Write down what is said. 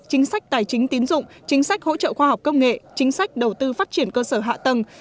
chính sách tài chính tín dụng chính sách hỗ trợ khoa học công nghệ chính sách đầu tư phát triển cơ sở hạ tầng